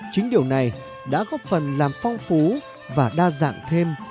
chính điều này đã góp phần làm phong phú và đa dạng thêm